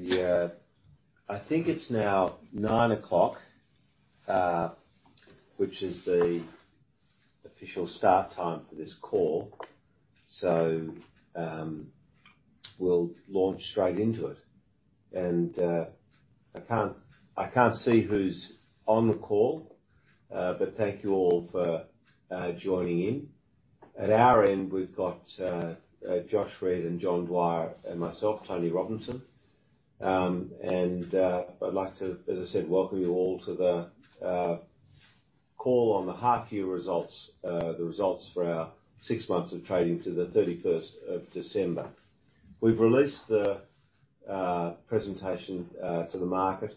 Yeah. I think it's now 9:00 A.M., which is the official start time for this call. We'll launch straight into it. I can't see who's on the call, but thank you all for joining in. At our end, we've got Josh Reid and John Dwyer and myself, Tony Robinson. I'd like to, as I said, welcome you all to the call on the half year results. The results for our six months of trading to December 31. We've released the presentation to the market,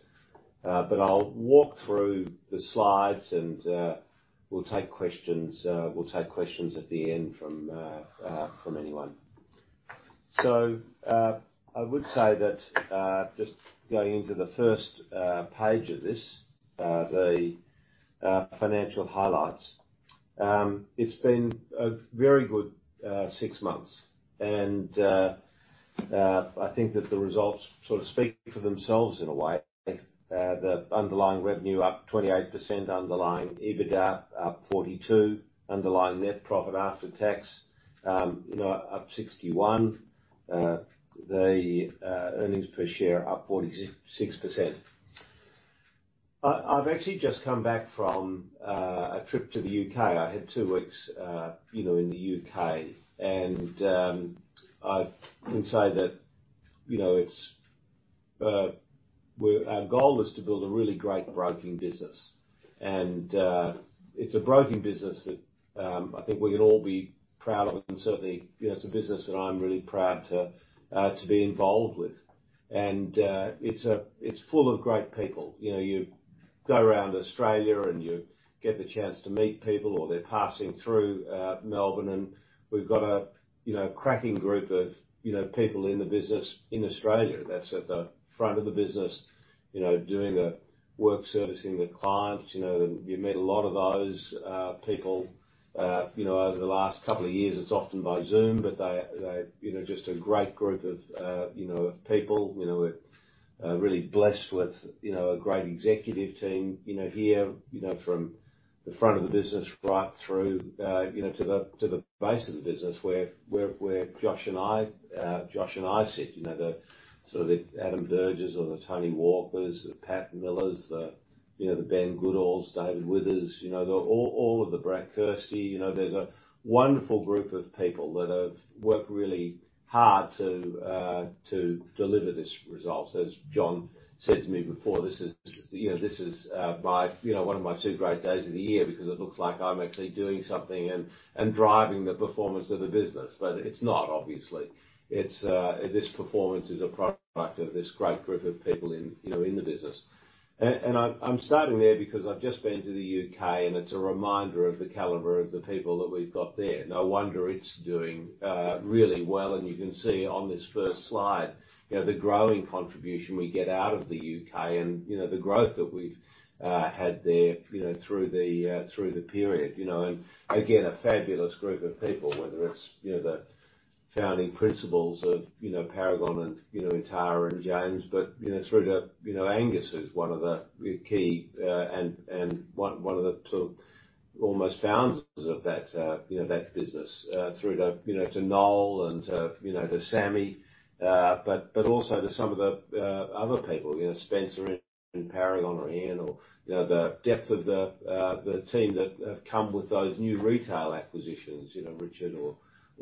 but I'll walk through the slides and we'll take questions at the end from anyone. I would say that just going into the first page of this, the financial highlights. It's been a very good six months. I think that the results sort of speak for themselves in a way. The underlying revenue up 28%, underlying EBITDA up 42%, underlying net profit after tax you know up 61%. The earnings per share up 46%. I've actually just come back from a trip to the U.K. I had two weeks you know in the U.K., and I can say that you know it's our goal is to build a really great broking business. It's a broking business that I think we can all be proud of. Certainly you know it's a business that I'm really proud to be involved with. It's full of great people. You know, you go around Australia and you get the chance to meet people, or they're passing through Melbourne, and we've got a you know, cracking group of you know, people in the business in Australia that's at the front of the business, you know, doing the work, servicing the clients. You know, you meet a lot of those people you know, over the last couple of years. It's often by Zoom, but they you know, just a great group of you know, of people. You know, we're really blessed with you know, a great executive team, you know, here, you know, from the front of the business right through you know, to the base of the business where Josh and I sit. You know, the Adam Burgess or the Tony Walker, the Pat Miller, you know, the Ben Goodall, David Withers. You know, all of the Kirsty Roser. You know, there's a wonderful group of people that have worked really hard to deliver this result. As John said to me before, this is, you know, this is my, you know, one of my two great days of the year because it looks like I'm actually doing something and driving the performance of the business. But it's not obviously. It's this performance is a product of this great group of people in, you know, in the business. I'm starting there because I've just been to the U.K. and it's a reminder of the caliber of the people that we've got there. No wonder it's doing really well. You can see on this first slide, you know, the growing contribution we get out of the U.K. and, you know, the growth that we've had there, you know, through the period, you know. Again, a fabulous group of people, whether it's, you know, the founding principals of, you know, Paragon and, you know, Tara and James. You know, through to, you know, Angus, who's one of the key and one of the sort of almost founders of that, you know, that business. Through to, you know, to Noel and, you know, to Sammy. But also to some of the other people, you know, Spencer in Paragon or Ian or, you know, the depth of the team that have come with those new retail acquisitions, you know, Richard or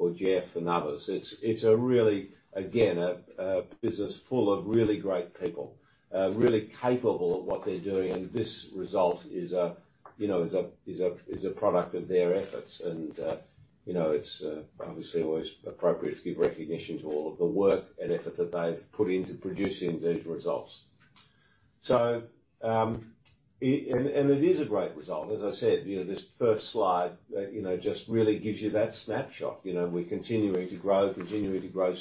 Jeff and others. It's a really, again, a business full of really great people. Really capable at what they're doing. This result is a product of their efforts. You know, it's obviously always appropriate to give recognition to all of the work and effort that they've put into producing these results. It is a great result. As I said, you know, this first slide you know, just really gives you that snapshot. You know, we're continuing to grow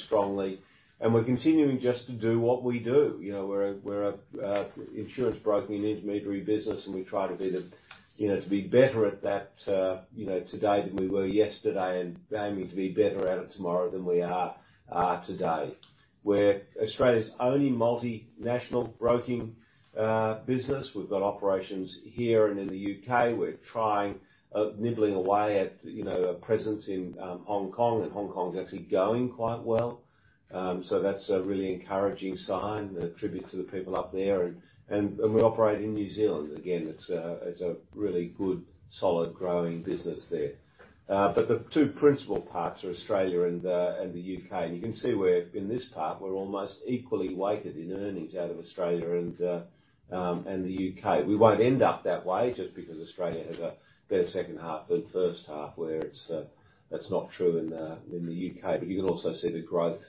strongly, and we're continuing just to do what we do. You know, we're an insurance broking intermediary business and we try to be better at that today than we were yesterday, and aiming to be better at it tomorrow than we are today. We're Australia's only multinational broking business. We've got operations here and in the U.K. We're trying nibbling away at, you know, a presence in Hong Kong, and Hong Kong is actually going quite well. So that's a really encouraging sign and a tribute to the people up there. We operate in New Zealand. Again, it's a really good, solid, growing business there. But the two principal parts are Australia and the U.K. You can see we're almost equally weighted in earnings out of Australia and the U.K. We won't end up that way just because Australia has a better second half than first half where it's not true in the U.K. You can also see the growth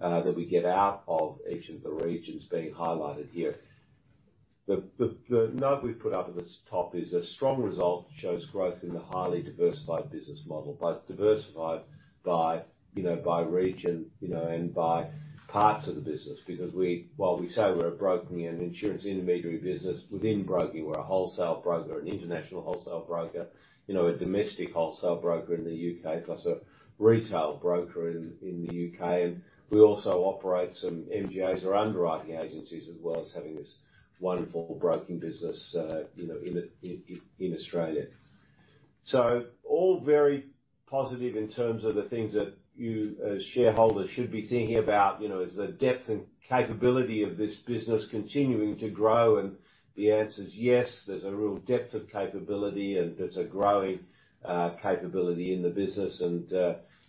that we get out of each of the regions being highlighted here. The note we've put up at the top is a strong result shows growth in the highly diversified business model, both diversified by region and by parts of the business. Because while we say we're a broking and insurance intermediary business, within broking we're a wholesale broker, an international wholesale broker, a domestic wholesale broker in the U.K. plus a retail broker in the U.K. We also operate some MGAs or underwriting agencies as well as having this wonderful broking business, you know, in Australia. All very positive in terms of the things that you as shareholders should be thinking about, you know, is the depth and capability of this business continuing to grow? The answer is yes, there's a real depth of capability, and there's a growing capability in the business.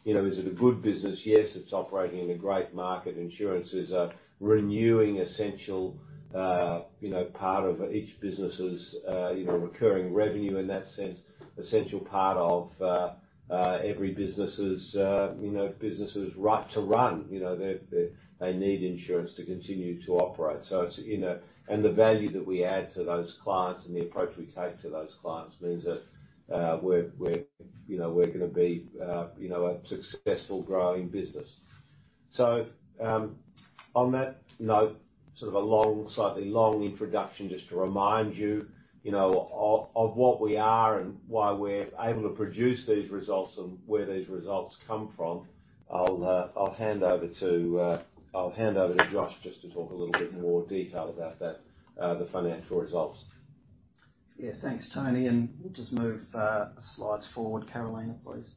You know, is it a good business? Yes, it's operating in a great market. Insurance is a renewing essential, you know, part of each business's, you know, recurring revenue in that sense, essential part of every business's, you know, business's right to run. You know, they need insurance to continue to operate. It's, you know. The value that we add to those clients and the approach we take to those clients means that we're you know gonna be a successful growing business. On that note, sort of a long, slightly long introduction just to remind you know, of what we are and why we're able to produce these results and where these results come from. I'll hand over to Josh just to talk a little bit more detail about that, the financial results. Yeah. Thanks, Tony. We'll just move slides forward, Carolina, please.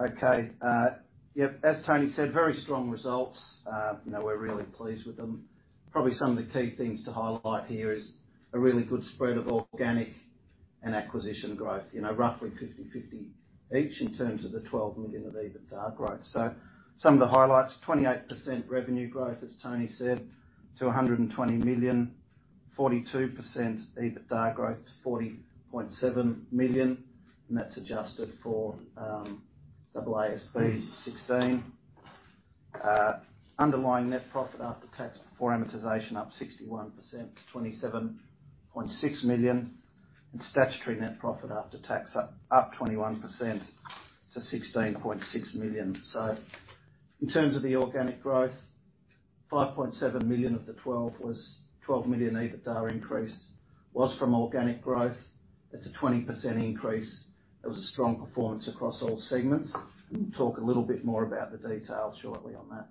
Okay. Yep, as Tony said, very strong results. You know, we're really pleased with them. Probably some of the key things to highlight here is a really good spread of organic and acquisition growth. You know, roughly 50/50 each in terms of the 12 million of EBITDA growth. Some of the highlights, 28% revenue growth, as Tony said, to 120 million. 42% EBITDA growth to 40.7 million, and that's adjusted for AASB 16. Underlying net profit after tax before amortization up 61% to 27.6 million. Statutory net profit after tax up 21% to 16.6 million. In terms of the organic growth, 5.7 million of the 12 million EBITDA increase was from organic growth. It's a 20% increase. It was a strong performance across all segments. We'll talk a little bit more about the detail shortly on that.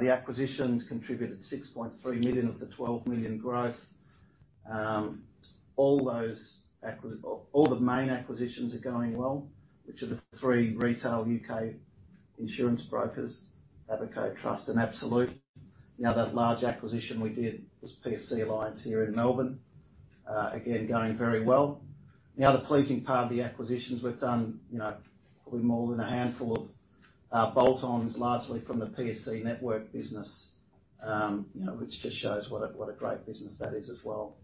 The acquisitions contributed 6.3 million of the 12 million growth. All the main acquisitions are going well, which are the three retail UK insurance brokers, Abaco, Trust and Absolute. The other large acquisition we did was PSC Alliance here in Melbourne. Again, going very well. The other pleasing part of the acquisitions we've done, you know, probably more than a handful of bolt-ons, largely from the PSC network business, you know, which just shows what a great business that is as well.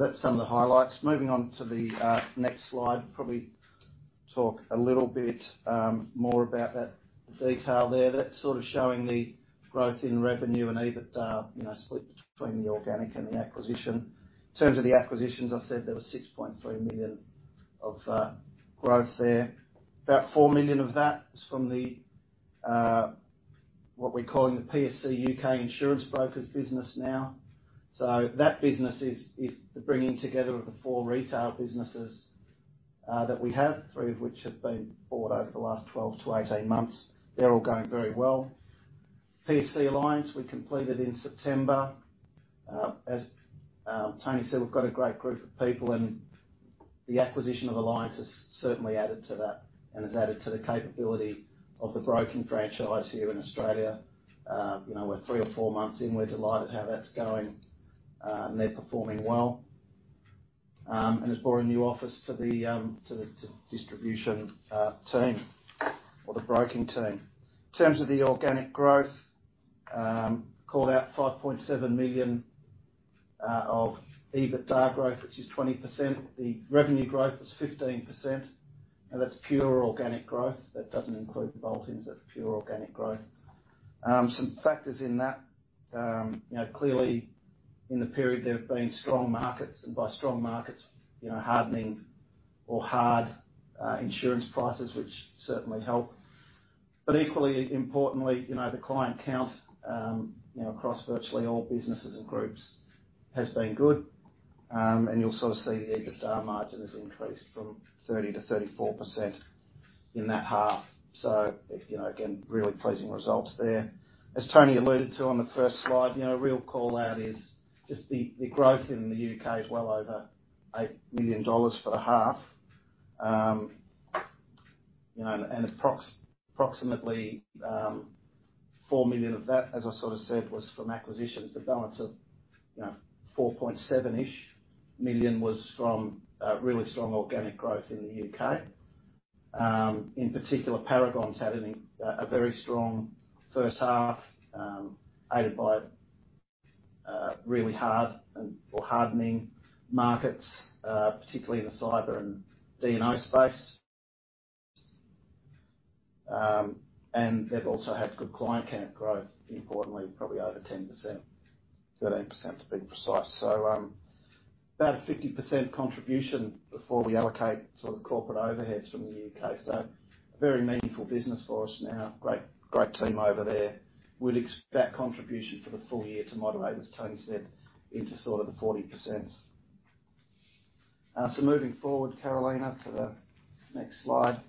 That's some of the highlights. Moving on to the next slide. Probably talk a little bit more about that detail there. That's sort of showing the growth in revenue and EBITDA, you know, split between the organic and the acquisition. In terms of the acquisitions, I said there was 6.3 million of growth there. About 4 million of that is from the what we're calling the PSC UK Insurance Brokers business now. So that business is the bringing together of the four retail businesses that we have, three of which have been bought over the last 12 to 18 months. They're all going very well. We completed PSC Alliance in September. As Tony said, we've got a great group of people, and the acquisition of Alliance has certainly added to that and has added to the capability of the broking franchise here in Australia. You know, we're 3 or 4 months in. We're delighted how that's going. They're performing well. Has brought a new office to the distribution team or the broking team. In terms of the organic growth, called out 5.7 million of EBITDA growth, which is 20%. The revenue growth was 15%, and that's pure organic growth. That doesn't include the bolt-ons. That's pure organic growth. Some factors in that, you know, clearly in the period there have been strong markets and by strong markets, you know, hardening or hard insurance prices, which certainly help. Equally importantly, you know, the client count, you know, across virtually all businesses and groups has been good. You'll sort of see the EBITDA margin has increased from 30%-34% in that half. If, you know, again, really pleasing results there. As Tony alluded to on the first slide, you know, a real call-out is just the growth in the U.K. is well over 8 million dollars for the half. You know, approximately 4 million of that, as I sort of said, was from acquisitions. The balance of, you know, 4.7-ish million was from really strong organic growth in the U.K. In particular, Paragon's had a very strong first half, aided by really hardening markets, particularly in the cyber and D&O space. They've also had good client count growth, importantly, probably over 10%, 13% to be precise. About a 50% contribution before we allocate sort of corporate overheads from the U.K. A very meaningful business for us now. Great team over there. We'd expect contribution for the full year to moderate, as Tony said, into sort of the 40%. Moving forward, Carolina, to the next slide.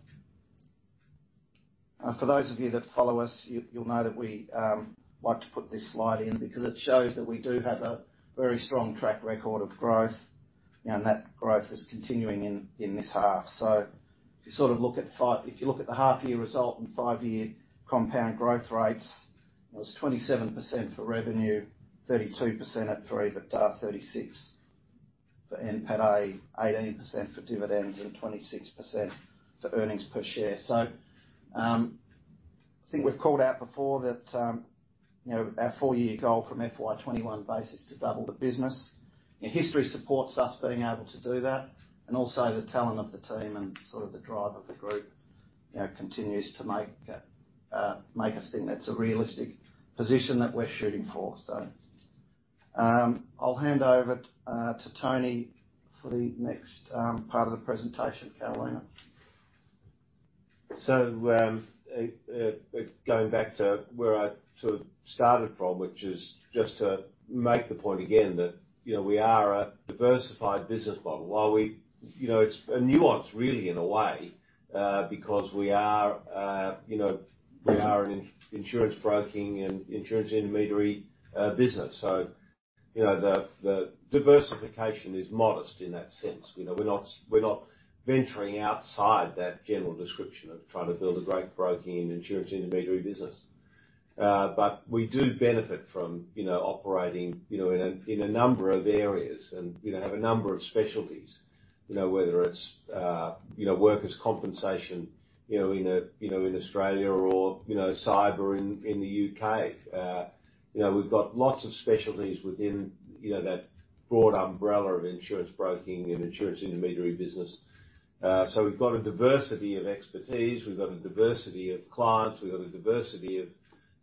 For those of you that follow us, you'll know that we like to put this slide in because it shows that we do have a very strong track record of growth, and that growth is continuing in this half. If you look at the half year result and five-year compound growth rates, it was 27% for revenue, 32% for EBITDA, but 36% for NPATA, 18% for dividends and 26% for earnings per share. I think we've called out before that, you know, our four-year goal from FY 2021 base is to double the business, and history supports us being able to do that. Also the talent of the team and sort of the drive of the group, you know, continues to make us think that's a realistic position that we're shooting for. I'll hand over to Tony for the next part of the presentation, Carolina. Going back to where I sort of started from, which is just to make the point again that, you know, we are a diversified business model. You know, it's a nuance really in a way, because we are, you know, we are an insurance broking and insurance intermediary business. You know, the diversification is modest in that sense. You know, we're not venturing outside that general description of trying to build a great broking and insurance intermediary business. We do benefit from, you know, operating in a number of areas and, you know, have a number of specialties. You know, whether it's workers' compensation in Australia or cyber in the U.K. You know, we've got lots of specialties within, you know, that broad umbrella of insurance broking and insurance intermediary business. So we've got a diversity of expertise. We've got a diversity of clients. We've got a diversity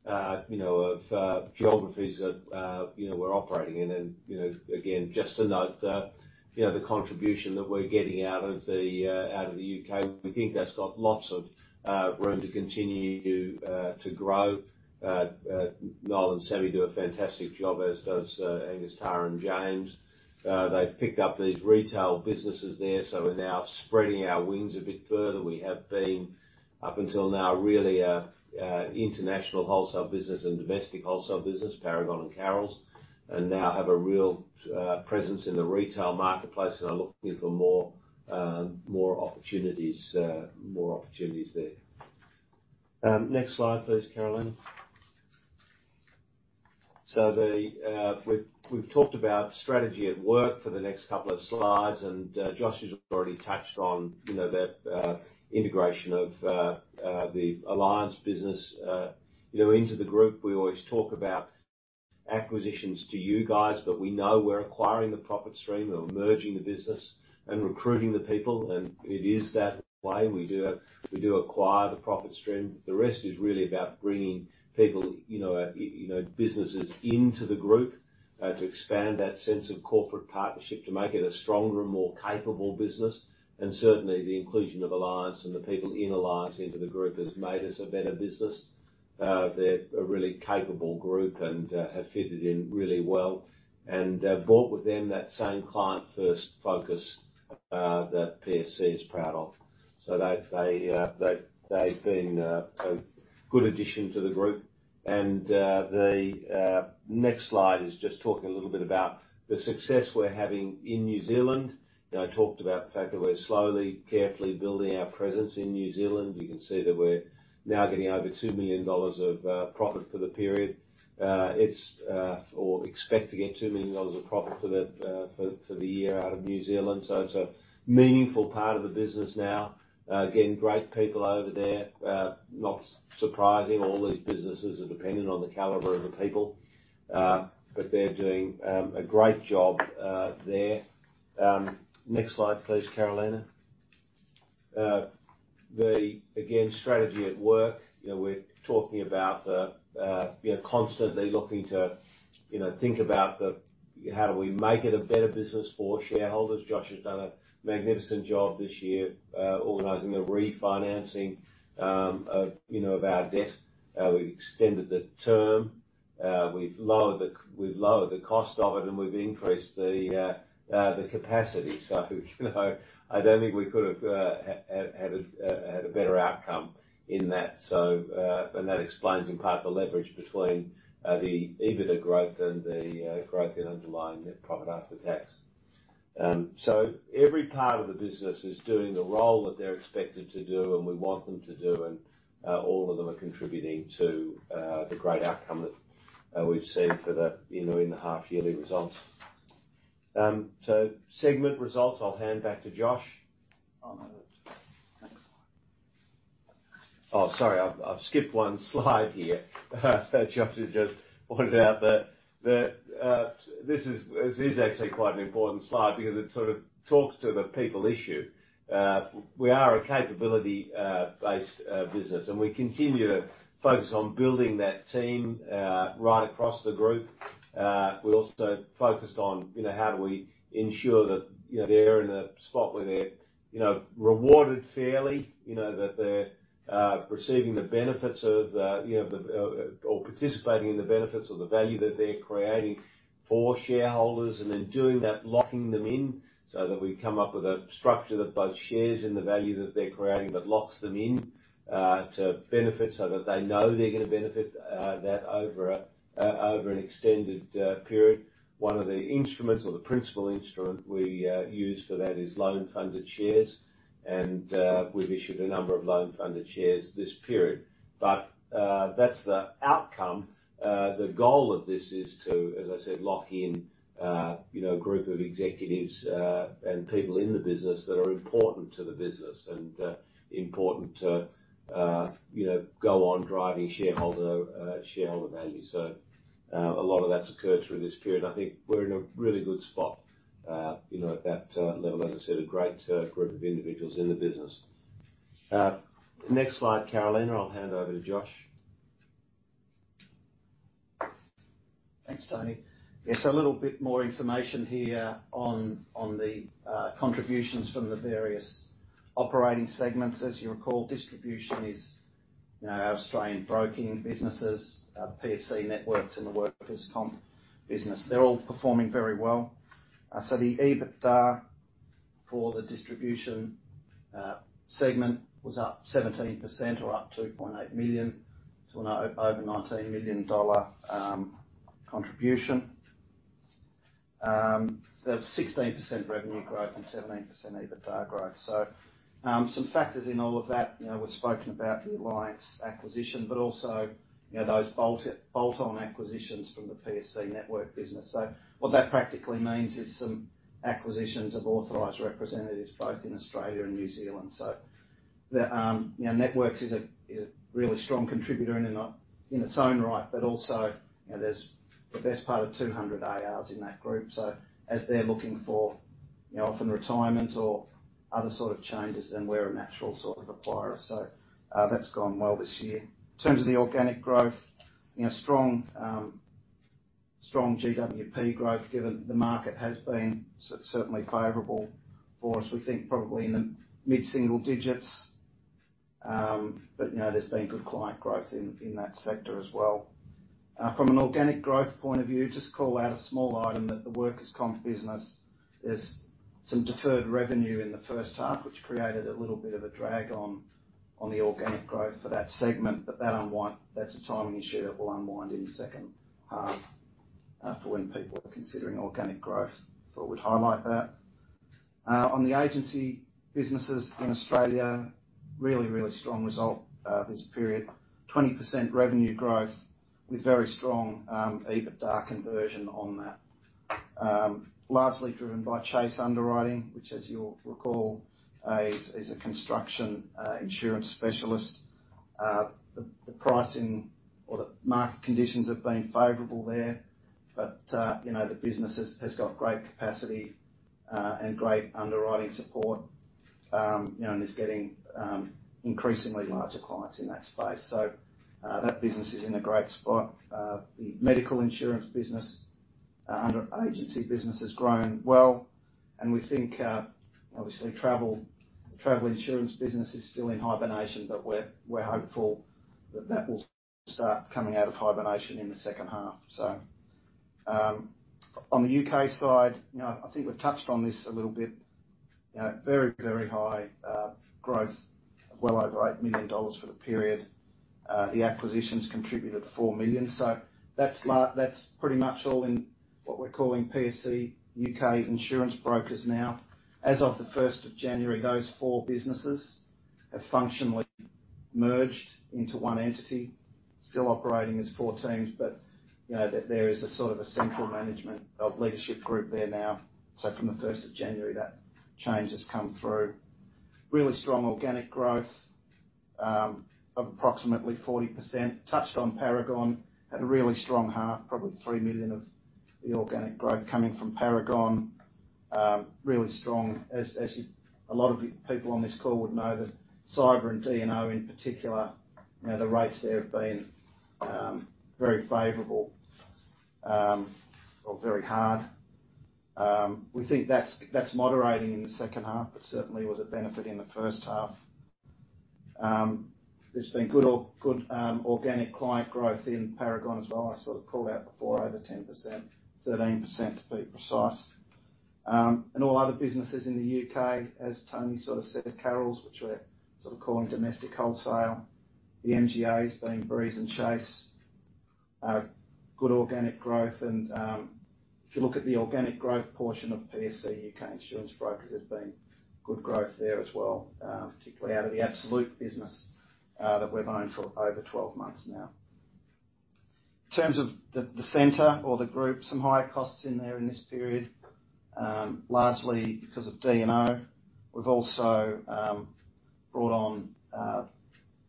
of, you know, of, geographies that, you know, we're operating in. You know, again, just to note that, you know, the contribution that we're getting out of the, out of the U.K., we think that's got lots of room to continue to grow. Niall and Sammy do a fantastic job, as does Angus, Tara, and James. They've picked up these retail businesses there, so we're now spreading our wings a bit further. We have been, up until now, really a international wholesale business and domestic wholesale business, Paragon and Carroll. We now have a real presence in the retail marketplace, and are looking for more opportunities there. Next slide, please, Carolina. We've talked about strategy at work for the next couple of slides, and Josh has already touched on, you know, that integration of the Alliance business, you know, into the group. We always talk about acquisitions to you guys, but we know we're acquiring the profit stream or merging the business and recruiting the people, and it is that way. We do acquire the profit stream. The rest is really about bringing people, you know, you know, businesses into the group to expand that sense of corporate partnership, to make it a stronger and more capable business. Certainly the inclusion of Alliance and the people in Alliance into the group has made us a better business. They're a really capable group and have fitted in really well. They've brought with them that same client-first focus that PSC is proud of. They've been a good addition to the group. The next slide is just talking a little bit about the success we're having in New Zealand. You know, I talked about the fact that we're slowly, carefully building our presence in New Zealand. You can see that we're now getting over 2 million dollars of profit for the period. Or expect to get 2 million dollars of profit for the year out of New Zealand. It's a meaningful part of the business now. Again, great people over there. Not surprising, all these businesses are dependent on the caliber of the people. But they're doing a great job there. Next slide, please, Carolina. The strategy at work. You know, we're talking about constantly looking to think about how do we make it a better business for shareholders. Josh has done a magnificent job this year organizing the refinancing of our debt. We've extended the term, we've lowered the cost of it, and we've increased the capacity. You know, I don't think we could've had a better outcome in that. That explains in part the leverage between the EBITDA growth and the growth in underlying net profit after tax. Every part of the business is doing the role that they're expected to do and we want them to do. All of them are contributing to the great outcome that we've seen for the, you know, in the half yearly results. Segment results, I'll hand back to Josh. Oh, no. Next slide. Oh, sorry. I've skipped one slide here. Josh has just pointed out that this is actually quite an important slide because it sort of talks to the people issue. We are a capability based business, and we continue to focus on building that team right across the group. We also focused on, you know, how do we ensure that, you know, they're in a spot where they're, you know, rewarded fairly. You know, that they're receiving the benefits of the, you know, or participating in the benefits or the value that they're creating for shareholders. In doing that, locking them in so that we come up with a structure that both shares in the value that they're creating, but locks them in, to benefit so that they know they're gonna benefit, that over an extended period. One of the instruments or the principal instrument we use for that is loan funded shares. We've issued a number of loan-funded shares this period. That's the outcome. The goal of this is to, as I said, lock in, you know, a group of executives, and people in the business that are important to the business and, important to, you know, go on driving shareholder value. A lot of that's occurred through this period. I think we're in a really good spot, you know, at that level. As I said, a great, group of individuals in the business. Next slide, Carolina. I'll hand over to Josh. Thanks, Tony. Yes, a little bit more information here on the contributions from the various operating segments. As you recall, distribution is, you know, Australian broking businesses, PSC Networks, and the workers' comp business. They're all performing very well. The EBITDA for the distribution segment was up 17% or up 2.8 million to over 19 million dollar contribution. 16% revenue growth and 17% EBITDA growth. Some factors in all of that, you know, we've spoken about the Alliance acquisition, but also, you know, those bolt-on acquisitions from the PSC Network business. What that practically means is some acquisitions of authorized representatives both in Australia and New Zealand. The Networks is a really strong contributor in its own right. Also, you know, there's the best part of 200 ARs in that group as they're looking for, you know, often retirement or other sort of changes. Then we're a natural sort of acquirer. That's gone well this year. In terms of the organic growth, you know, strong GWP growth, given the market has been certainly favorable for us. We think probably in the mid-single digits. You know, there's been good client growth in that sector as well. From an organic growth point of view, just call out a small item that the workers' comp business is some deferred revenue in the first half, which created a little bit of a drag on the organic growth for that segment. That unwind is a timing issue that will unwind in second half for when people are considering organic growth. We'd highlight that. On the agency businesses in Australia, really strong result this period. 20% revenue growth with very strong EBITDA conversion on that. Largely driven by Chase Underwriting, which as you'll recall, is a construction insurance specialist. The pricing or the market conditions have been favorable there. You know, the business has got great capacity and great underwriting support, you know, and is getting increasingly larger clients in that space. That business is in a great spot. The medical insurance business under agency business is growing well. We think, obviously travel insurance business is still in hibernation, but we're hopeful that that will start coming out of hibernation in the second half. On the UK side, you know, I think we've touched on this a little bit. You know, very high growth. Well over 8 million dollars for the period. The acquisitions contributed 4 million. That's pretty much all in what we're calling PSC UK Insurance Brokers now. As of the first of January, those four businesses have functionally merged into one entity. Still operating as four teams, but, you know, there is a sort of a central management of leadership group there now. From the first of January, that change has come through. Really strong organic growth of approximately 40%. Touched on Paragon, had a really strong half, probably 3 million of the organic growth coming from Paragon. Really strong, as you... A lot of people on this call would know that cyber and D&O in particular, you know, the rates there have been very favorable or very hard. We think that's moderating in the second half, but certainly was a benefit in the first half. There's been good organic client growth in Paragon as well. I sort of called out before over 10%, 13% to be precise. All other businesses in the U.K., as Tony sort of said, Carroll's, which we're sort of calling domestic wholesale, the MGAs being Breeze and Chase, good organic growth. If you look at the organic growth portion of PSC UK Insurance Brokers, there's been good growth there as well, particularly out of the Absolute business, that we've owned for over 12 months now. In terms of the center or the group, some higher costs in there in this period, largely because of D&O. We've also brought on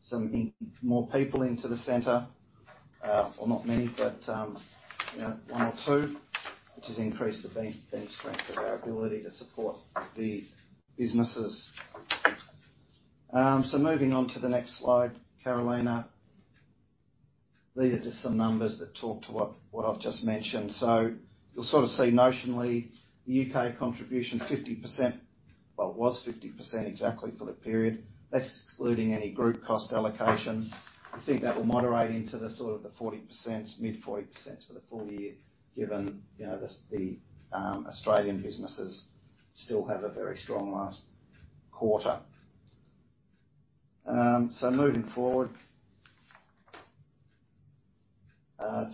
some more people into the center. Well, not many, but you know, one or two, which has increased the bench strength of our ability to support the businesses. Moving on to the next slide, Carolina. These are just some numbers that talk to what I've just mentioned. You'll sort of see notionally the UK contribution 50%. Well, it was 50% exactly for the period. That's excluding any group cost allocations. I think that will moderate into the sort of 40%, mid-40% for the full year given, you know, the Australian businesses still have a very strong last quarter.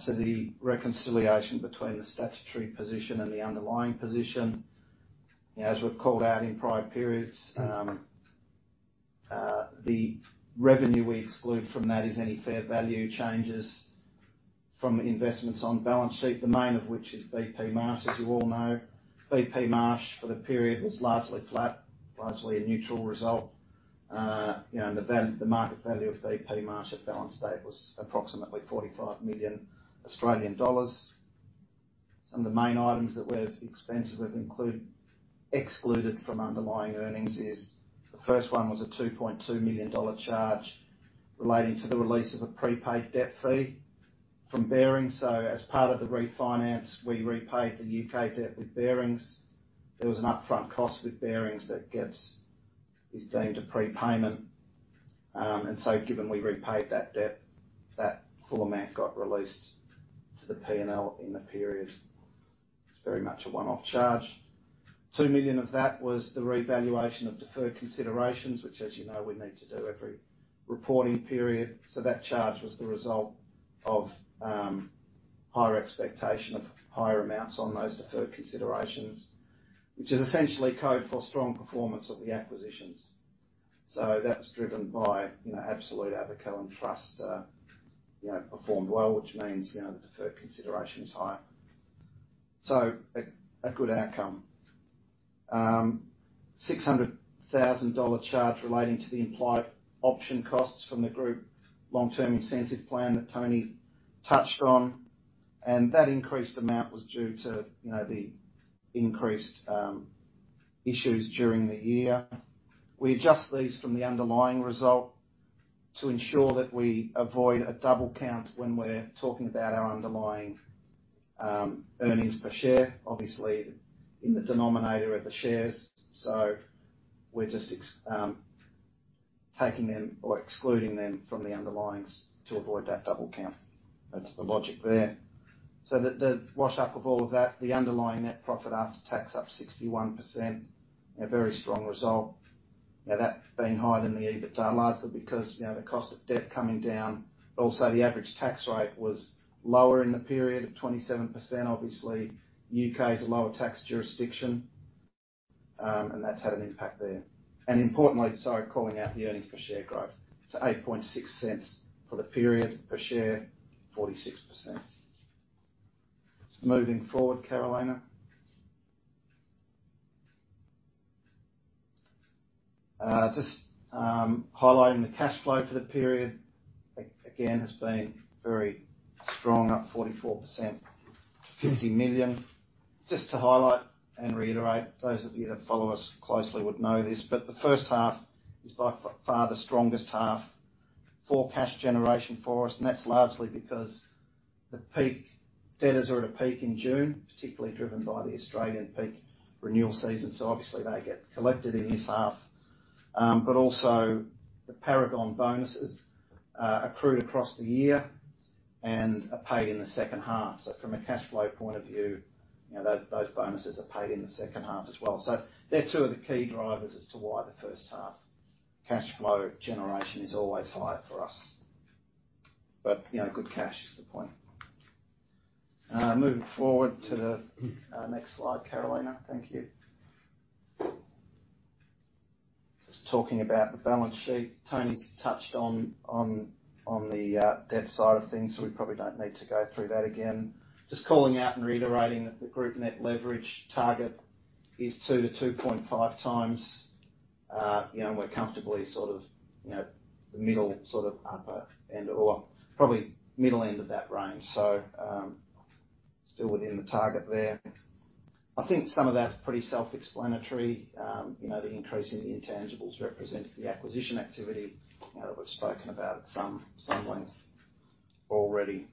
The reconciliation between the statutory position and the underlying position. As we've called out in prior periods, the revenue we exclude from that is any fair value changes from investments on balance sheet, the main of which is B.P. Marsh, as you all know. B.P. Marsh, for the period, was largely flat, largely a neutral result. You know, and the market value of B.P. Marsh at balance date was approximately 45 million Australian dollars. Some of the main items excluded from underlying earnings, the first one was a 2.2 million dollar charge relating to the release of a prepaid debt fee from Barings. As part of the refinance, we repaid the U.K. debt with Barings. There was an upfront cost with Barings that is deemed a prepayment. Given we repaid that debt, that full amount got released to the P&L in the period. It's very much a one-off charge. 2 million of that was the revaluation of deferred considerations, which as you know, we need to do every reporting period. That charge was the result of higher expectation of higher amounts on those deferred considerations, which is essentially code for strong performance of the acquisitions. That was driven by, you know, Absolute, Abaco, and Trust, you know, performed well, which means, you know, the deferred consideration is high. A good outcome. 600,000 dollar charge relating to the implied option costs from the group long-term incentive plan that Tony touched on, and that increased amount was due to, you know, the increased issues during the year. We adjust these from the underlying result to ensure that we avoid a double count when we're talking about our underlying earnings per share, obviously in the denominator of the shares. We're just taking them or excluding them from the underlyings to avoid that double count. That's the logic there. The wash up of all of that, the underlying net profit after tax up 61%, a very strong result. NPAT being higher than the EBITDA, largely because the cost of debt coming down. The average tax rate was lower in the period at 27%. Obviously, the U.K. is a lower tax jurisdiction, and that's had an impact there. Importantly, calling out the earnings per share growth to 0.086 for the period per share, 46%. Moving forward, Carolina. Just highlighting the cash flow for the period. Again, has been very strong, up 44% to 50 million. Just to highlight and reiterate, those of you that follow us closely would know this, but the first half is by far the strongest half for cash generation for us, and that's largely because the peak debtors are at a peak in June, particularly driven by the Australian peak renewal season. Obviously they get collected in this half. Also the Paragon bonuses accrued across the year and are paid in the second half. From a cash flow point of view, you know, those bonuses are paid in the second half as well. They're two of the key drivers as to why the first half cash flow generation is always higher for us. You know, good cash is the point. Moving forward to the next slide, Carolina. Thank you. Just talking about the balance sheet. Tony's touched on the debt side of things, so we probably don't need to go through that again. Just calling out and reiterating that the group net leverage target is 2-2.5 times. You know, we're comfortably sort of you know the middle sort of upper end or probably middle end of that range. Still within the target there. I think some of that's pretty self-explanatory. You know, the increase in the intangibles represents the acquisition activity, you know, that we've spoken about at some length already.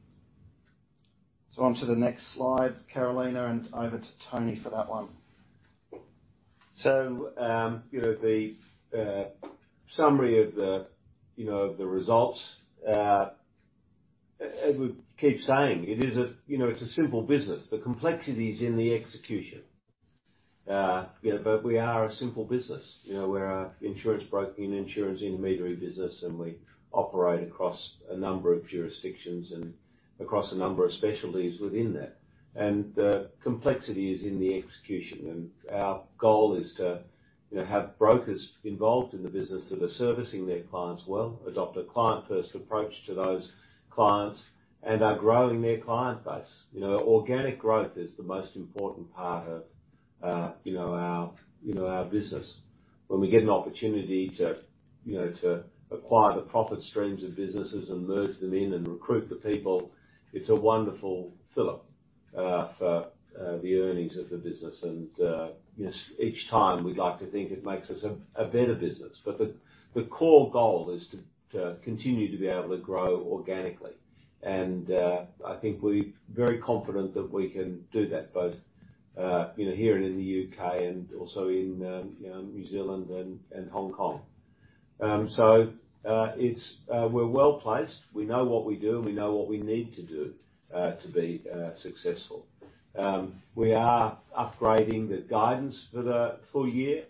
Onto the next slide, Carolina, and over to Tony for that one. You know, the summary of the results, as we keep saying, it's a simple business. The complexity is in the execution. Yeah, but we are a simple business. You know, we're an insurance broking, insurance intermediary business, and we operate across a number of jurisdictions and across a number of specialties within that. The complexity is in the execution. Our goal is to, you know, have brokers involved in the business that are servicing their clients well, adopt a client-first approach to those clients and are growing their client base. You know, organic growth is the most important part of, you know, our business. When we get an opportunity to, you know, to acquire the profit streams of businesses and merge them in and recruit the people, it's a wonderful fillip for the earnings of the business. You know, each time we'd like to think it makes us a better business. The core goal is to continue to be able to grow organically. I think we're very confident that we can do that both, you know, here and in the U.K. and also in, you know, New Zealand and Hong Kong. We're well-placed. We know what we do, and we know what we need to do to be successful. We are upgrading the guidance for the full year.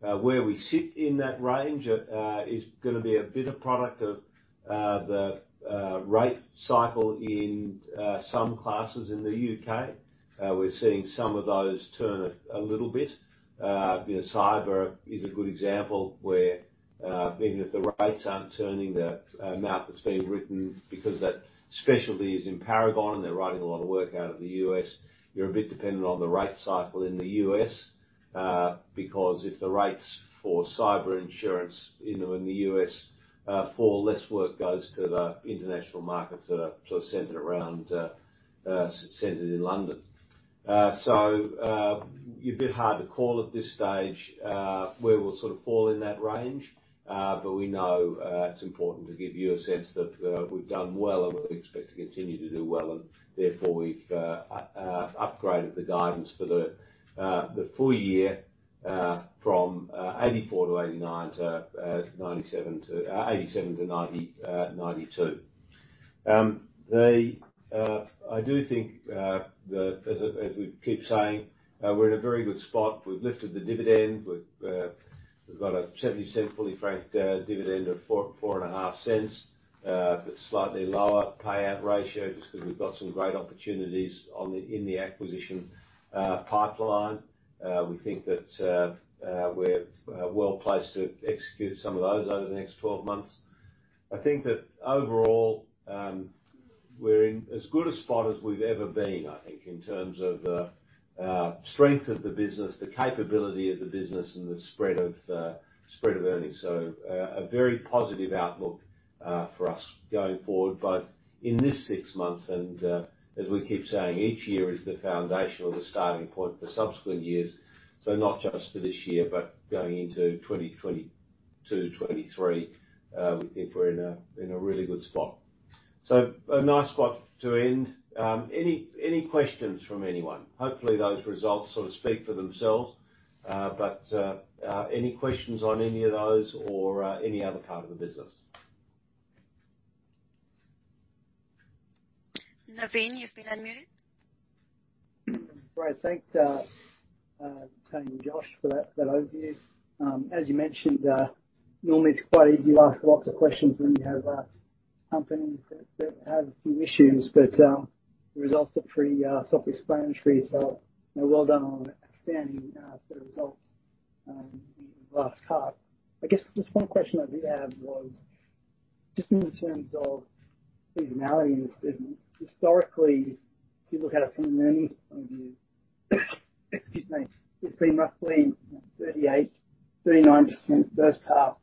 Where we sit in that range is gonna be a bit of a product of the rate cycle in some classes in the U.K. We're seeing some of those turn a little bit. You know, cyber is a good example where even if the rates aren't turning, the amount that's being written because that specialty is in Paragon and they're writing a lot of work out of the U.S., you're a bit dependent on the rate cycle in the U.S. Because if the rates for cyber insurance, you know, in the U.S., fall, less work goes to the international markets that are sort of centered around centered in London. A bit hard to call at this stage, where we'll sort of fall in that range. We know it's important to give you a sense that we've done well and we expect to continue to do well and therefore we've upgraded the guidance for the full year from 84 million-89 million to 87 million-92 million. I do think, as we keep saying, we're in a very good spot. We've lifted the dividend. We've got a 70% fully franked dividend of 0.04, AUD 0.045, but slightly lower payout ratio just 'cause we've got some great opportunities in the acquisition pipeline. We think that we're well placed to execute some of those over the next 12 months. I think that overall, we're in as good a spot as we've ever been, I think, in terms of the strength of the business, the capability of the business and the spread of earnings. A very positive outlook for us going forward, both in this six months and, as we keep saying, each year is the foundation or the starting point for subsequent years. Not just for this year, but going into 2022, 2023, we think we're in a really good spot. A nice spot to end. Any questions from anyone? Hopefully those results sort of speak for themselves. Any questions on any of those or any other part of the business? Naveen, you've been unmuted. Great. Thanks, Tony and Josh for that overview. As you mentioned, normally it's quite easy to ask lots of questions when you have a company that has a few issues, but the results are pretty self-explanatory, so well done on an outstanding set of results in the last half. I guess just one question I did have was just in terms of seasonality in this business. Historically, if you look at it from an earnings point of view, excuse me, it's been roughly 38-39% first half,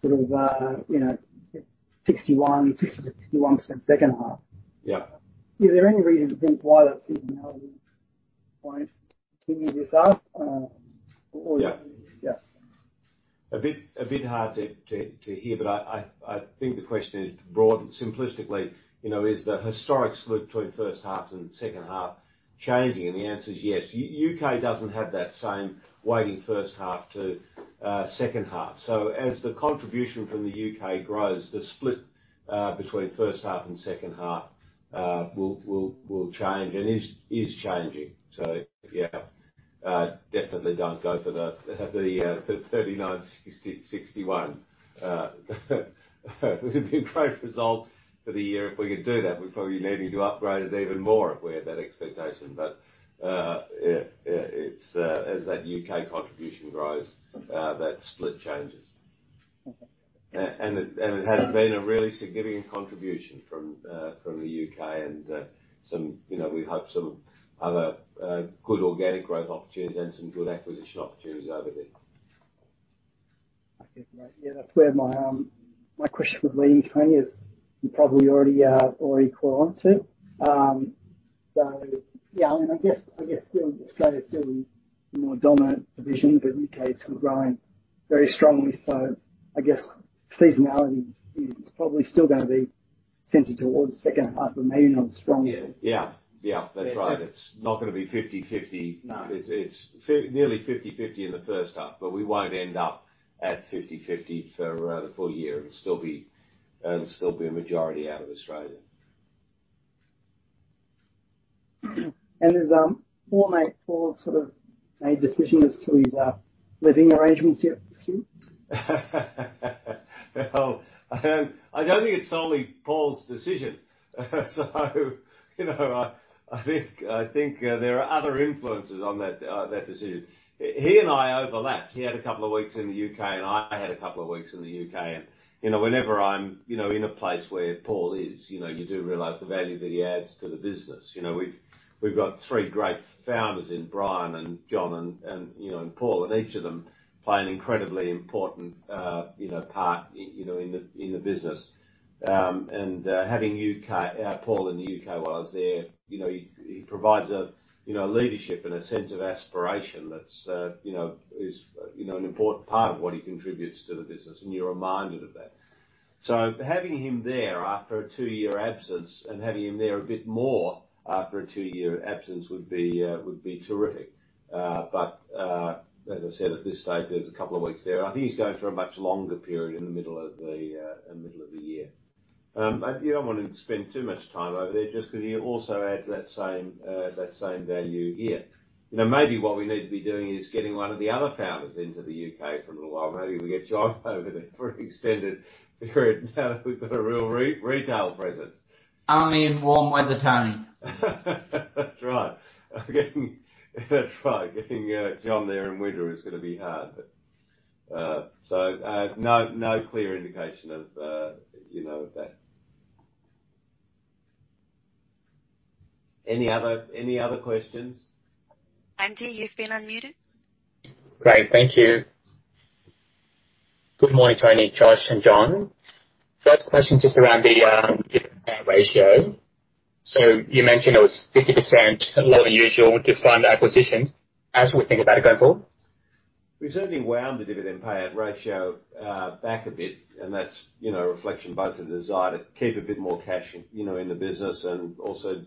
sort of, you know, 60-61% second half. Yeah. Is there any reason to think why that seasonality won't continue this up? Yeah. Yeah. A bit hard to hear, but I think the question is broad and simplistically, you know, is the historic split between first half and second half changing? The answer is yes. U.K. doesn't have that same weighting first half to second half. As the contribution from the U.K. grows, the split between first half and second half will change and is changing. Yeah, definitely don't go for the 39%-61%. It would be a great result for the year if we could do that. We'd probably maybe do upgraded even more if we had that expectation. Yeah, it's as that U.K. contribution grows, that split changes. Okay. It has been a really significant contribution from the U.K. and some, you know, we hope some other good organic growth opportunities and some good acquisition opportunities over there. Okay, great. Yeah, that's where my question was leading, Tony, as you probably already caught on to. Yeah, I guess still Australia is still the more dominant division, but U.K. is still growing very strongly. I guess seasonality is probably still gonna be centered towards the second half, but maybe not as strongly. Yeah, that's right. Yeah. It's not gonna be 50/50. No. Nearly 50/50 in the first half, but we won't end up at 50/50 for the full year. It'll still be a majority out of Australia. Has Paul sort of made a decision as to his living arrangements yet this year? Well, I don't think it's solely Paul's decision. You know, I think there are other influences on that decision. He and I overlap. He had a couple of weeks in the U.K., and I had a couple of weeks in the U.K., and you know, whenever I'm in a place where Paul is, you know, you do realize the value that he adds to the business. You know, we've got three great founders in Brian and John and Paul, and each of them play an incredibly important part in the business. Having Paul in the U.K. while I was there, you know, he provides leadership and a sense of aspiration that's an important part of what he contributes to the business, and you're reminded of that. Having him there after a two-year absence and having him there a bit more after a two-year absence would be terrific. As I said, at this stage, there's a couple of weeks there. I think he's going for a much longer period in the middle of the year. You don't wanna spend too much time over there just 'cause he also adds that same value here. You know, maybe what we need to be doing is getting one of the other founders into the U.K. for a little while. Maybe we get John over there for an extended period now that we've got a real retail presence. I'm in warm weather, Tony. That's right. Getting John there in winter is gonna be hard, but so no clear indication of, you know, of that. Any other questions? Andy, you've been unmuted. Great. Thank you. Good morning, Tony, Josh, and John. First question just around the dividend payout ratio. So you mentioned it was 50%, a lot unusual with defined acquisitions. How should we think about it going forward? We've certainly wound the dividend payout ratio back a bit, and that's, you know, a reflection both of the desire to keep a bit more cash, you know, in the business and also,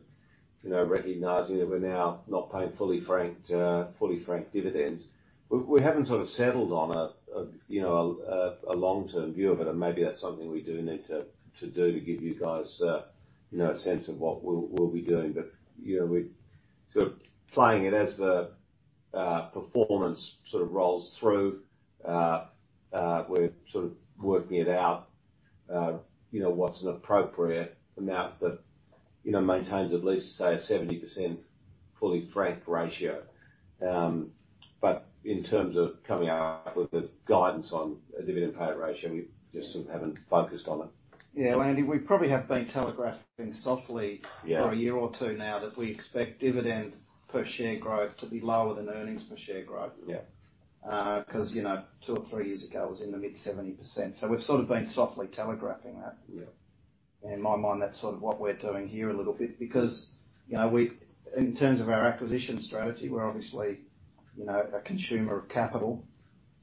you know, recognizing that we're now not paying fully franked dividends. We haven't sort of settled on a long-term view of it, and maybe that's something we do need to do to give you guys a sense of what we'll be doing. You know, we're sort of playing it as the performance sort of rolls through. We're sort of working it out, you know, what's an appropriate amount that, you know, maintains at least, say, a 70% fully franked ratio. In terms of coming up with a guidance on a dividend payout ratio, we just sort of haven't focused on it. Yeah, Andy, we probably have been telegraphing softly. Yeah. For a year or two now that we expect dividend per share growth to be lower than earnings per share growth. Yeah. 'Cause, you know, 2 or 3 years ago, it was in the mid 70%. We've sort of been softly telegraphing that. Yeah. In my mind, that's sort of what we're doing here a little bit because, you know, in terms of our acquisition strategy, we're obviously, you know, a consumer of capital,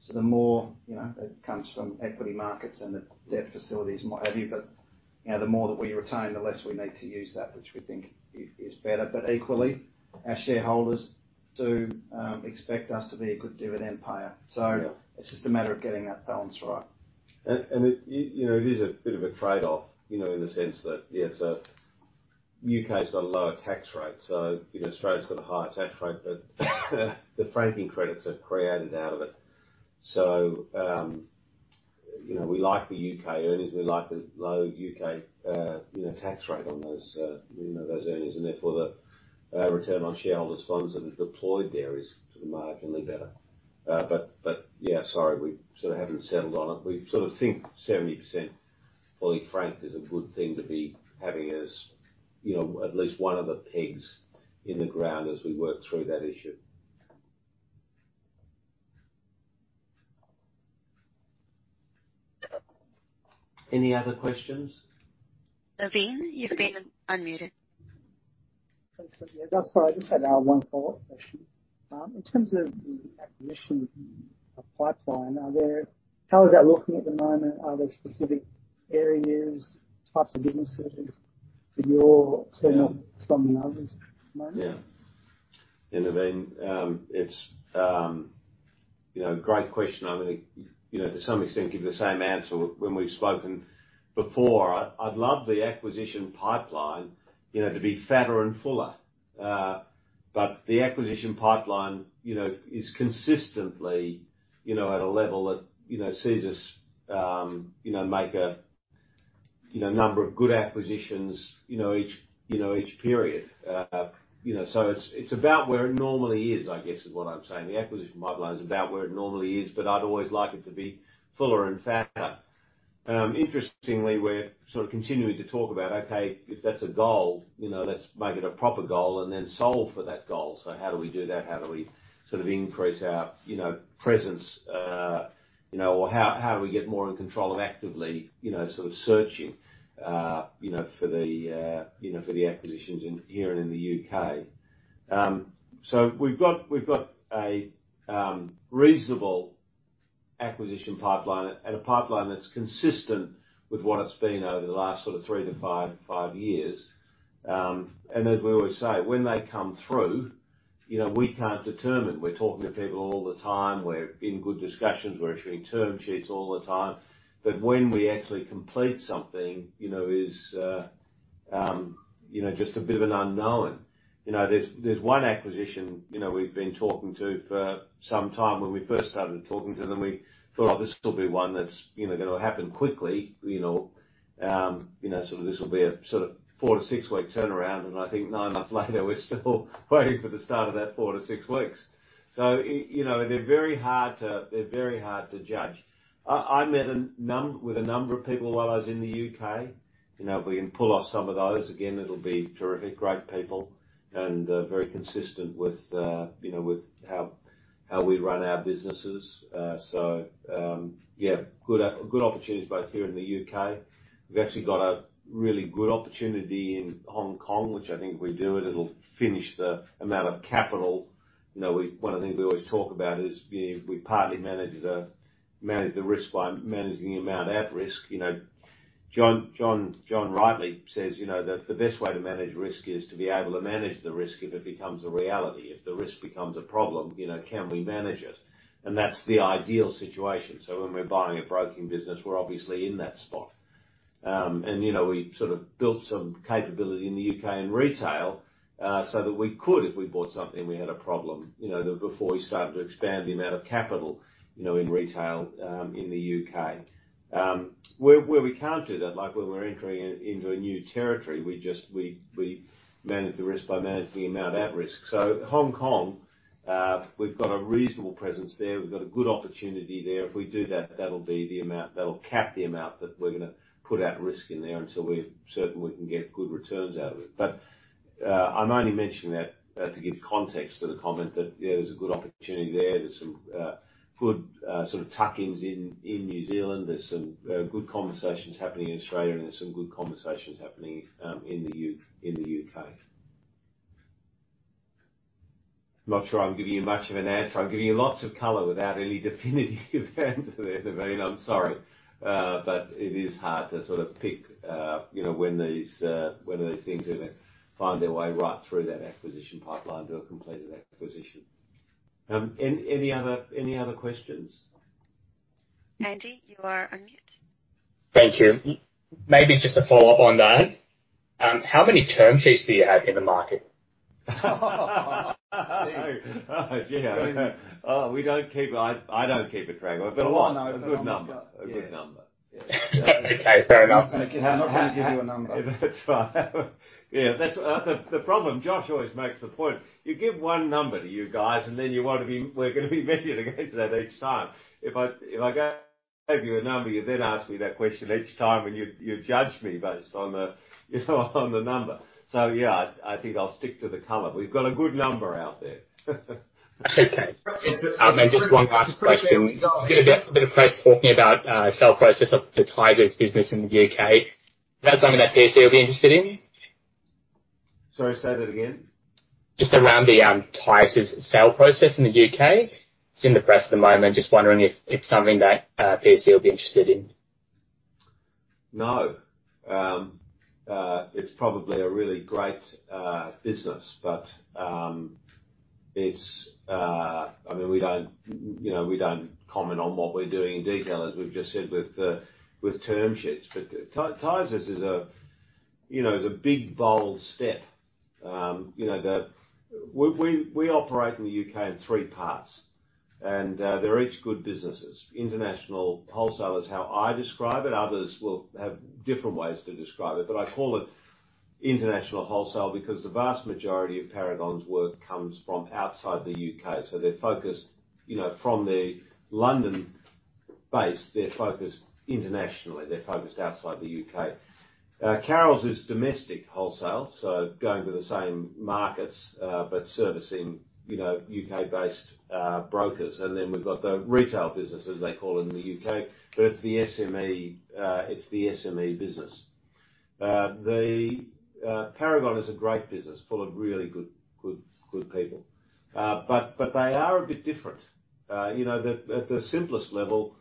so the more, you know, it comes from equity markets and the debt facilities and what have you. You know, the more that we retain, the less we need to use that, which we think is better. Equally, our shareholders do expect us to be a good dividend payer. Yeah. It's just a matter of getting that balance right. It is a bit of a trade-off, you know, in the sense that, yeah, it's a U.K.'s got a lower tax rate, so, you know, Australia's got a higher tax rate, but the franking credits are created out of it. We like the U.K. earnings. We like the low U.K. tax rate on those earnings. Therefore, the return on shareholders' funds that are deployed there is sort of markedly better. Yeah, sorry, we sort of haven't settled on it. We sort of think 70% fully franked is a good thing to be having as, you know, at least one of the pegs in the ground as we work through that issue. Any other questions? Naveen, you've been unmuted. Thanks. Yeah, that's all right. Just had one follow-up question. In terms of the acquisition pipeline, how is that looking at the moment? Are there specific areas, types of businesses that you're- Yeah. focusing on some others at the moment? Yeah. Naveen, it's you know, great question. I'm gonna you know, to some extent, give the same answer when we've spoken before. I'd love the acquisition pipeline, you know, to be fatter and fuller. The acquisition pipeline, you know, is consistently, you know, at a level that, you know, sees us, you know, make a, you know, number of good acquisitions, you know, each, you know, each period. You know, it's about where it normally is, I guess, is what I'm saying. The acquisition pipeline is about where it normally is, but I'd always like it to be fuller and fatter. Interestingly, we're sort of continuing to talk about, okay, if that's a goal, you know, let's make it a proper goal and then solve for that goal. How do we do that? How do we sort of increase our, you know, presence? You know, or how do we get more in control of actively, you know, sort of searching, you know, for the acquisitions in here and in the UK? So we've got a reasonable acquisition pipeline and a pipeline that's consistent with what it's been over the last sort of three to five years. And as we always say, when they come through, you know, we can't determine. We're talking to people all the time. We're in good discussions. We're issuing term sheets all the time. But when we actually complete something, you know, is just a bit of an unknown. You know, there's one acquisition, you know, we've been talking to for some time. When we first started talking to them, we thought, "Oh, this will be one that's, you know, gonna happen quickly. You know, sort of this will be a sort of 4-6-week turnaround." I think nine months later, we're still waiting for the start of that 4-6 weeks. You know, they're very hard to judge. I met with a number of people while I was in the U.K. You know, if we can pull off some of those, again, it'll be terrific. Great people and very consistent with you know, with how we run our businesses. Good opportunities both here in the U.K. We've actually got a really good opportunity in Hong Kong, which I think if we do it'll finish the amount of capital. You know, one of the things we always talk about is we partly manage the risk by managing the amount at risk. You know, John rightly says, you know, that the best way to manage risk is to be able to manage the risk if it becomes a reality. If the risk becomes a problem, you know, can we manage it? And that's the ideal situation. When we're buying a broking business, we're obviously in that spot. We sort of built some capability in the U.K. in retail, so that we could if we bought something, we had a problem, you know, before we started to expand the amount of capital, you know, in retail, in the U.K. Where we can't do that, like when we're entering into a new territory, we manage the risk by managing the amount at risk. Hong Kong, we've got a reasonable presence there. We've got a good opportunity there. If we do that'll cap the amount that we're gonna put at risk in there until we're certain we can get good returns out of it. I'm only mentioning that to give context to the comment that, yeah, there's a good opportunity there. There's some good sort of tuck-ins in New Zealand. There's some good conversations happening in Australia, and there's some good conversations happening in the U.K. I'm not sure I'm giving you much of an answer. I'm giving you lots of color without any definitive answer there, Naveen. I'm sorry. It is hard to sort of pick you know when these things are gonna find their way right through that acquisition pipeline to a completed acquisition. Any other questions? Andy, you are unmuted. Thank you. Maybe just a follow-up on that. How many term sheets do you have in the market? Oh, gee. I don't keep track. We've got a lot. Oh, no. A good number. Yeah. A good number. Yeah. Okay. Fair enough. I'm not gonna give you a number. That's fine. Yeah, that's the problem. Josh always makes the point, you give one number to you guys and then we're gonna be measured against that each time. If I gave you a number, you'd then ask me that question each time, and you'd judge me based on the, you know, on the number. Yeah, I think I'll stick to the color. We've got a good number out there. Okay. Just one last question. There's been a bit of press talking about sale process of the Tysers business in the U.K. Is that something that PSC would be interested in? Sorry, say that again. Just around the Tysers's sale process in the U.K. It's in the press at the moment. Just wondering if it's something that PSC would be interested in. No, it's probably a really great business, but I mean, we don't, you know, we don't comment on what we're doing in detail, as we've just said with term sheets. Tysers is, you know, a big, bold step. We operate in the U.K. in three parts and they're each good businesses. International wholesale is how I describe it. Others will have different ways to describe it. I call it international wholesale because the vast majority of Paragon's work comes from outside the U.K. They're focused, you know, from the London base, they're focused internationally. They're focused outside the U.K. Carroll's is domestic wholesale, going to the same markets, but servicing, you know, U.K.-based brokers. Then we've got the retail business, as they call it in the U.K. It's the SME business. Paragon is a great business, full of really good people. They are a bit different. You know, at the simplest level,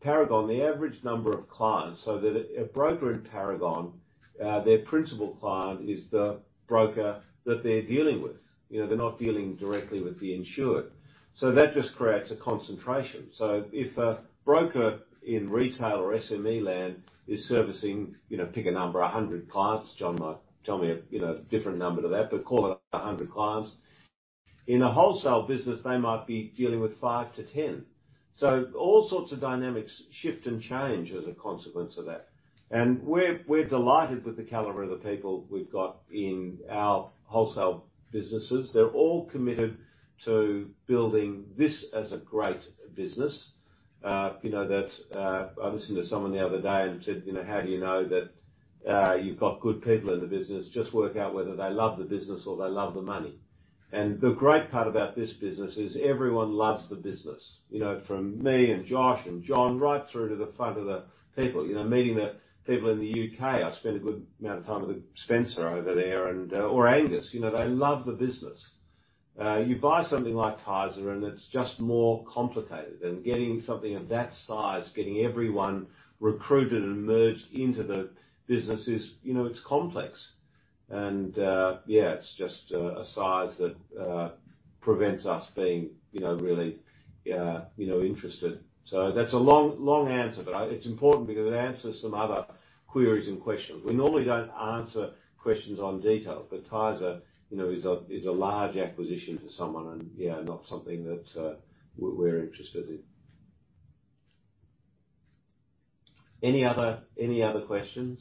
Paragon, the average number of clients. A broker in Paragon, their principal client is the broker that they're dealing with. You know, they're not dealing directly with the insured. That just creates a concentration. If a broker in retail or SME land is servicing, you know, pick a number, 100 clients, John might tell me, you know, a different number to that, but call it 100 clients. In a wholesale business, they might be dealing with 5-10. All sorts of dynamics shift and change as a consequence of that. We're delighted with the caliber of the people we've got in our wholesale businesses. They're all committed to building this as a great business. You know, I listened to someone the other day and said, "You know, how do you know that you've got good people in the business? Just work out whether they love the business or they love the money." The great part about this business is everyone loves the business. You know, from me and Josh and John, right through to the front of the people. You know, meeting the people in the U.K., I spent a good amount of time with Spencer over there and or Angus. You know, they love the business. You buy something like Tysers, and it's just more complicated. Getting something of that size, getting everyone recruited and merged into the business is, you know, it's complex. Yeah, it's just a size that prevents us being, you know, really interested. That's a long answer, but it's important because it answers some other queries and questions. We normally don't answer questions on detail, but Tysers, you know, is a large acquisition for someone and, yeah, not something that we're interested in. Any other questions?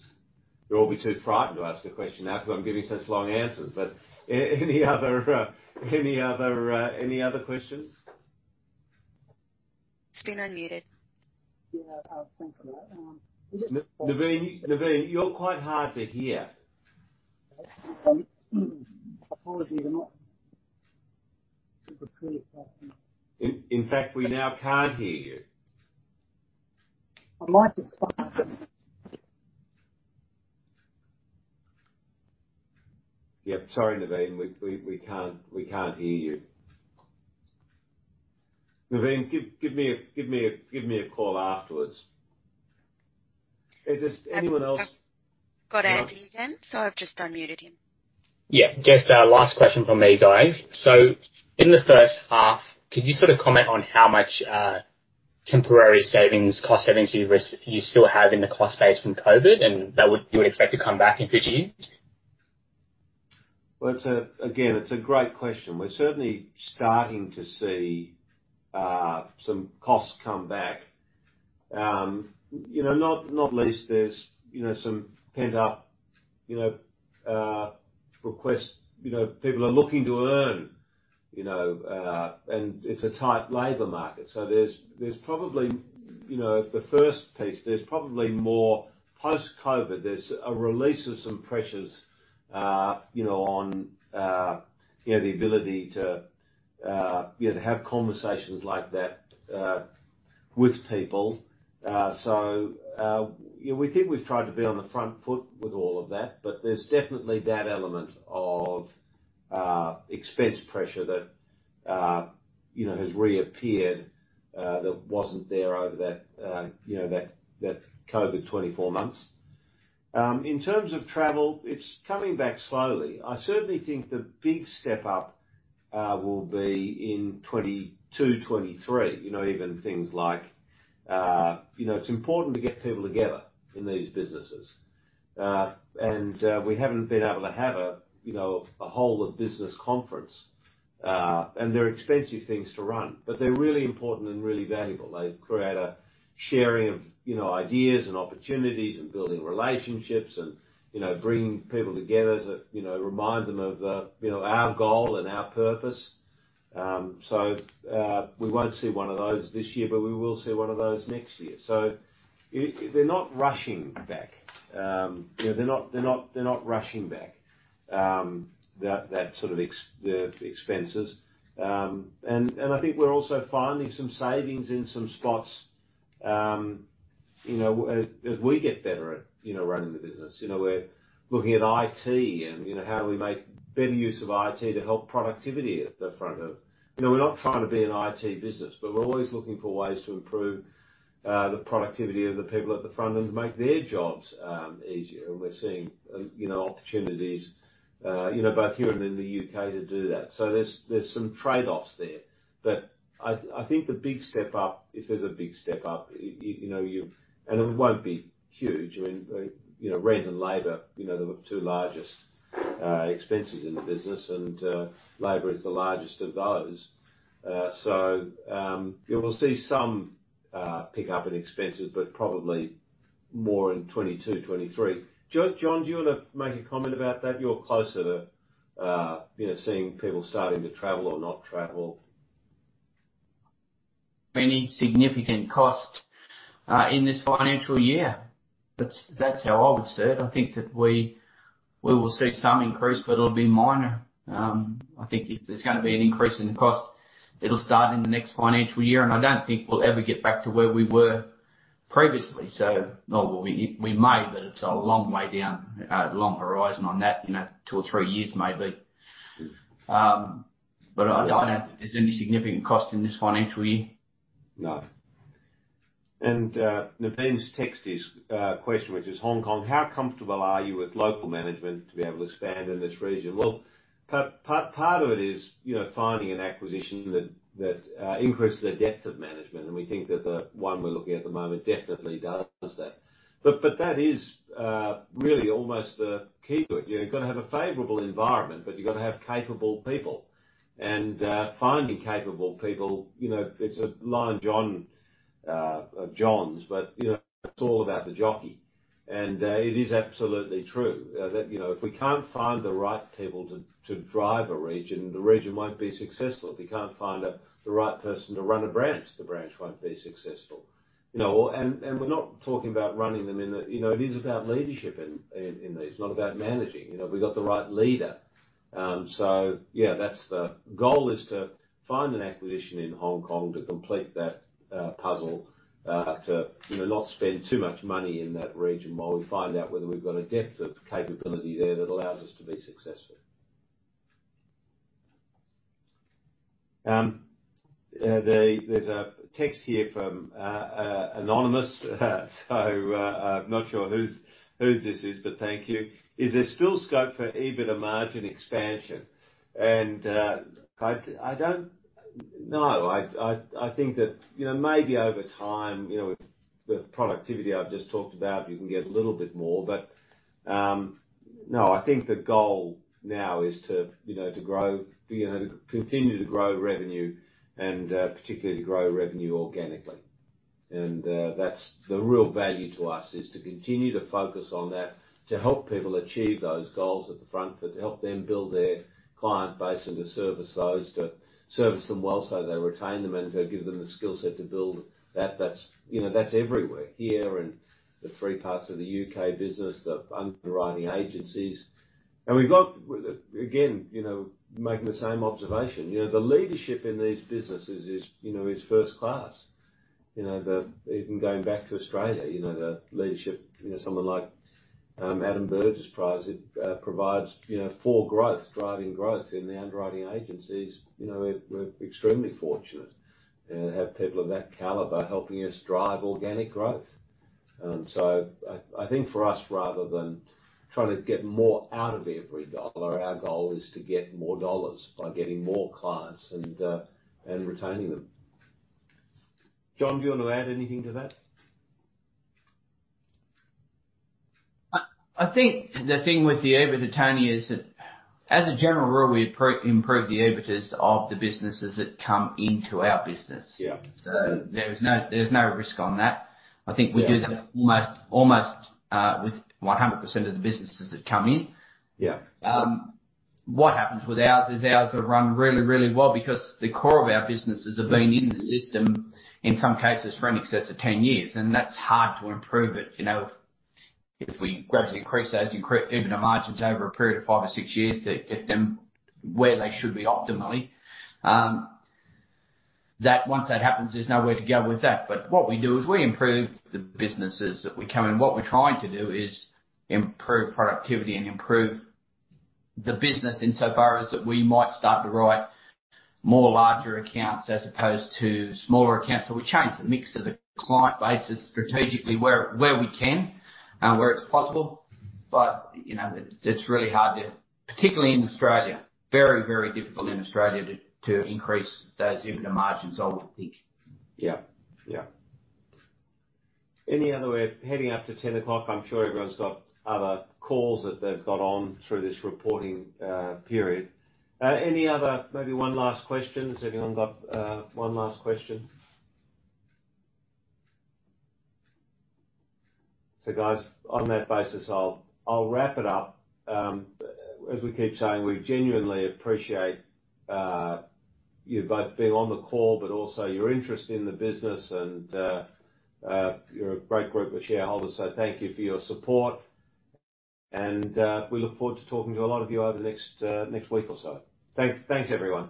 You'll all be too frightened to ask a question now because I'm giving such long answers. Any other questions? Spin unmuted. Yeah. Thanks for that. Naveen, you're quite hard to hear. Apologies. I'm not super clear. In fact, we now can't hear you. My mic is fine. Yeah. Sorry, Naveen. We can't hear you. Naveen, give me a call afterwards. Is this anyone else? Got Andy again, so I've just unmuted him. Yeah. Just a last question from me, guys. In the first half, could you sort of comment on how much temporary savings, cost savings you still have in the cost base from COVID, and that you would expect to come back in future years? Again, it's a great question. We're certainly starting to see some costs come back. You know, not least there's you know some pent-up you know requests. You know, people are looking to earn you know and it's a tight labor market. There's probably you know the first piece, there's probably more post-COVID. There's a release of some pressures you know on you know the ability to you know to have conversations like that with people. You know, we think we've tried to be on the front foot with all of that, but there's definitely that element of expense pressure that you know has reappeared that wasn't there over that you know that COVID twenty-four months. In terms of travel, it's coming back slowly. I certainly think the big step up will be in 2022, 2023. You know, even things like, you know, it's important to get people together in these businesses. We haven't been able to have a, you know, a whole of business conference. They're expensive things to run, but they're really important and really valuable. They create a sharing of, you know, ideas and opportunities and building relationships and, you know, bringing people together to, you know, remind them of the, you know, our goal and our purpose. We won't see one of those this year, but we will see one of those next year. They're not rushing back. You know, they're not rushing back, that sort of expense. I think we're also finding some savings in some spots, you know, as we get better at, you know, running the business. You know, we're looking at IT and, you know, how do we make better use of IT to help productivity at the front of. You know, we're not trying to be an IT business, but we're always looking for ways to improve the productivity of the people at the front end to make their jobs easier. We're seeing, you know, opportunities, you know, both here and in the U.K. to do that. So there's some trade-offs there. I think the big step up, if there's a big step up, you know, you've. It won't be huge. I mean, you know, rent and labor, you know, are the two largest expenses in the business, and labor is the largest of those. So, you will see some pickup in expenses, but probably more in 2022, 2023. John, do you wanna make a comment about that? You're closer to seeing people starting to travel or not travel. Any significant cost in this financial year. That's how I would see it. I think that we will see some increase, but it'll be minor. I think if there's gonna be an increase in cost, it'll start in the next financial year, and I don't think we'll ever get back to where we were previously. Or we may, but it's a long way down, long horizon on that, you know. Two or three years maybe. I don't think there's any significant cost in this financial year. No. Naveen's text is his question, which is Hong Kong. How comfortable are you with local management to be able to expand in this region? Well, part of it is, you know, finding an acquisition that increases the depth of management. We think that the one we're looking at the moment definitely does that. But that is really almost the key to it. You've gotta have a favorable environment, but you've gotta have capable people. Finding capable people, you know, it's a line from John, but you know, it's all about the jockey. It is absolutely true that, you know, if we can't find the right people to drive a region, the region won't be successful. If we can't find the right person to run a branch, the branch won't be successful. You know, we're not talking about running them. You know, it is about leadership in these. It's not about managing. You know, we've got the right leader. So yeah, that's the goal, is to find an acquisition in Hong Kong to complete that puzzle. To you know, not spend too much money in that region while we find out whether we've got a depth of capability there that allows us to be successful. There's a text here from anonymous. So, I'm not sure who this is, but thank you. Is there still scope for EBITDA margin expansion? I don't. No. I think that, you know, maybe over time, you know, with the productivity I've just talked about, you can get a little bit more. No, I think the goal now is to, you know, to grow, you know, to continue to grow revenue and, particularly to grow revenue organically. That's the real value to us, is to continue to focus on that, to help people achieve those goals at the front, but to help them build their client base and to service those, to service them well so they retain them and to give them the skill set to build. That's, you know, that's everywhere. Here and the three parts of the U.K. business, the underwriting agencies. We've got, again, you know, making the same observation. You know, the leadership in these businesses is, you know, is first class. You know, even going back to Australia, you know, the leadership, you know, someone like Adam Burgess provides, you know, for growth, driving growth in the underwriting agencies. You know, we're extremely fortunate to have people of that caliber helping us drive organic growth. I think for us, rather than trying to get more out of every dollar, our goal is to get more dollars by getting more clients and retaining them. John, do you want to add anything to that? I think the thing with the EBITDA, Tony, is that as a general rule, we improve the EBITDAs of the businesses that come into our business. Yeah. There's no risk on that. I think we do that. Yeah. Almost with 100% of the businesses that come in. Yeah. What happens with ours is ours are run really, really well because the core of our businesses have been in the system, in some cases for in excess of 10 years, and that's hard to improve it, you know. If we gradually increase those EBITDA margins over a period of 5 or 6 years to get them where they should be optimally, once that happens, there's nowhere to go with that. What we do is we improve the businesses that we come in. What we're trying to do is improve productivity and improve the business insofar as that we might start to write more larger accounts as opposed to smaller accounts. We change the mix of the client bases strategically where we can, where it's possible. You know, it's really hard to. Particularly in Australia, very, very difficult in Australia to increase those EBITDA margins, I would think. Yeah. Yeah. Any other way? Heading up to 10 o'clock. I'm sure everyone's got other calls that they've got on through this reporting period. Any other maybe one last question? Has anyone got one last question? Guys, on that basis, I'll wrap it up. As we keep saying, we genuinely appreciate you both being on the call, but also your interest in the business and you're a great group of shareholders, so thank you for your support. We look forward to talking to a lot of you over the next week or so. Thanks, everyone.